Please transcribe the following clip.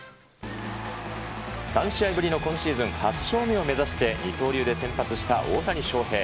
３試合ぶりの今シーズン８勝目を目指して二刀流で先発した大谷翔平。